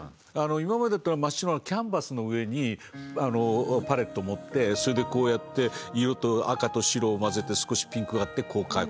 今までってのは真っ白なキャンバスの上にパレット持ってそれでこうやって赤と白を混ぜて少しピンクがあってこう描く。